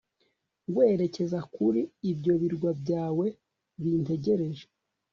werekeza kuri ibyo birwa byawe bintegereje